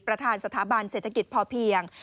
ประธานสถาบันเศรษฐกิจพอเพียง